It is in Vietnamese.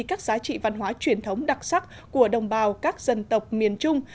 các giá trị văn hóa truyền thống đặc sắc của đồng bào các dân tộc miền trung